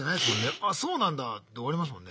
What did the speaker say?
「あそうなんだ」で終わりますもんね。